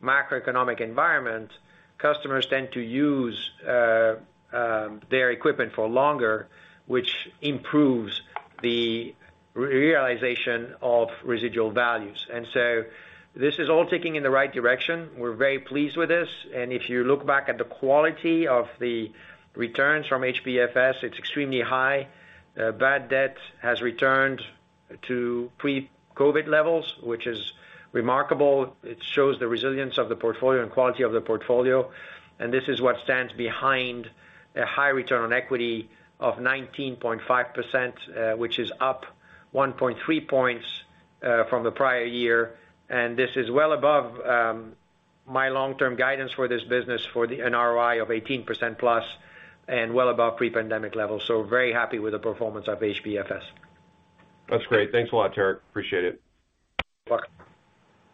Macroeconomic environment, customers tend to use their equipment for longer, which improves the realization of residual values. This is all ticking in the right direction. We're very pleased with this. If you look back at the quality of the returns from HPFS, it's extremely high. Bad debt has returned to pre-COVID levels, which is remarkable. It shows the resilience of the portfolio and quality of the portfolio. This is what stands behind a high return on equity of 19.5%, which is up 1.3 points from the prior year. This is well above my long-term guidance for this business for the NROI of 18% plus, and well above pre-pandemic levels. Very happy with the performance of HPFS. That's great. Thanks a lot, Tarek. Appreciate it. Welcome.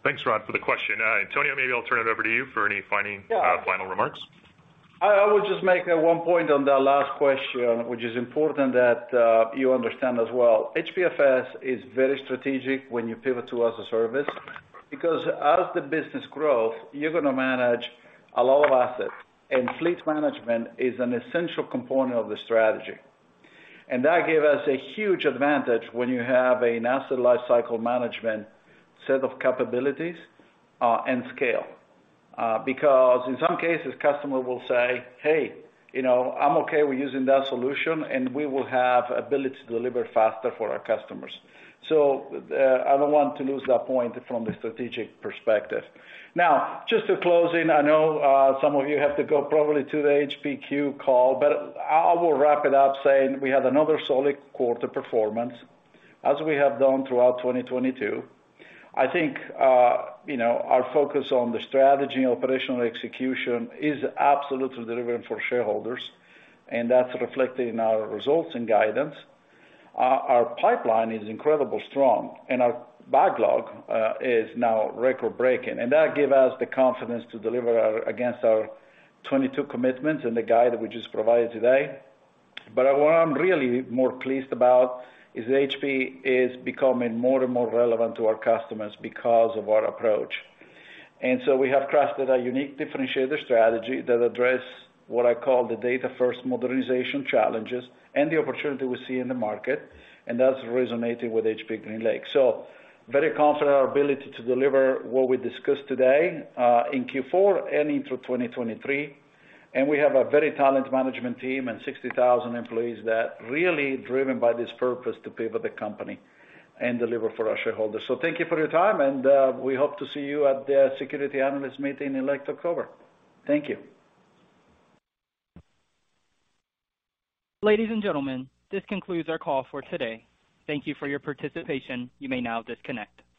Thanks, Rod, for the question. Antonio, maybe I'll turn it over to you for any final remarks. I would just make one point on the last question, which is important that you understand as well. HPFS is very strategic when you pivot to as-a-service, because as the business grows, you're gonna manage a lot of assets. Fleet management is an essential component of the strategy. That give us a huge advantage when you have an asset lifecycle management set of capabilities, and scale. Because in some cases, customers will say, "Hey, you know, I'm okay with using that solution, and we will have ability to deliver faster for our customers." I don't want to lose that point from the strategic perspective. Now, just to close in, I know, some of you have to go probably to the HPQ call, but I will wrap it up saying we had another solid quarter performance, as we have done throughout 2022. I think, you know, our focus on the strategy and operational execution is absolutely delivering for shareholders, and that's reflected in our results and guidance. Our pipeline is incredibly strong and our backlog is now record-breaking, and that give us the confidence to deliver our against our 2022 commitments and the guide that we just provided today. What I'm really more pleased about is HP is becoming more and more relevant to our customers because of our approach. We have crafted a unique differentiator strategy that address what I call the data first modernization challenges and the opportunity we see in the market, and that's resonating with HPE GreenLake. Very confident in our ability to deliver what we discussed today in Q4 and into 2023. We have a very talented management team and 60,000 employees that really driven by this purpose to pivot the company and deliver for our shareholders. Thank you for your time and we hope to see you at the Securities Analyst Meeting in late October. Thank you. Ladies and gentlemen, this concludes our call for today. Thank you for your participation. You may now disconnect.